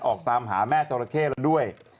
ออกตามหาแม่จราเข้แล้วด้วย